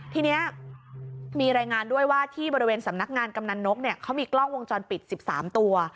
ทีนี้มีรายงานด้วยว่าที่บริเวณสำนักงานกำนันนกเขามีกล้องวงจรปิด๑๓ตัว